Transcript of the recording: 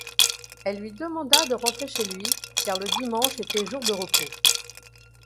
Elle lui demanda de rentrer chez lui car le dimanche était jour de repos.